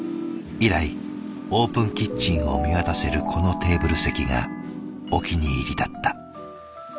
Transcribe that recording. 以来オープンキッチンを見渡せるこのテーブル席がお気に入りだった。